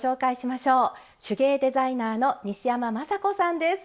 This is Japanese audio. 手芸デザイナーの西山眞砂子さんです。